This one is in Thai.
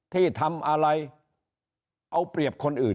ที่ทำอะไรเอาเปรียบคนอื่น